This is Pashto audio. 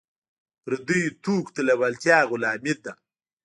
پردیو توکو ته لیوالتیا غلامي ده.